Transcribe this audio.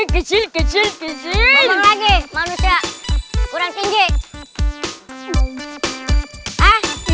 kecil kecil lagi manusia kurang tinggi